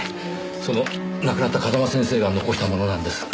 その亡くなった風間先生が残したものなんです。